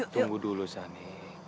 tunggu dulu sani